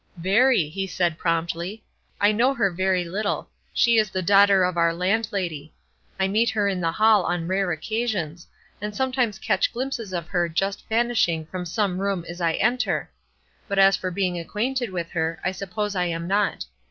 "Very," he said, promptly. "I know her very little; she is the daughter of our landlady; I meet her in the hall on rare occasions, and sometimes catch glimpses of her just vanishing from some room as I enter; but as for being acquainted with her, I suppose I am not.